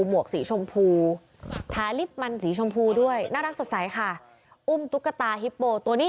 หวกสีชมพูทาลิฟต์มันสีชมพูด้วยน่ารักสดใสค่ะอุ้มตุ๊กตาฮิปโปตัวนี้